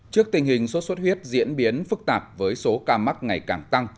trước tình hình sốt xuất huyết diễn biến phức tạp với số ca mắc ngày càng tăng